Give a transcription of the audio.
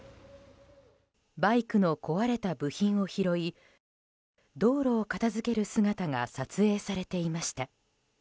バイクの壊れた部品を拾い道路を片付ける姿が撮影されていました。